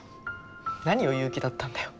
何を言う気だったんだよ。